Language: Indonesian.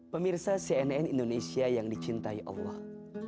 pemirsa cnn indonesia yang dicintai allah